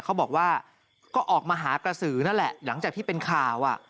เขาบอกว่าก็ออกมาหากระสือนั่นแหละหลังจากที่เป็นข่าว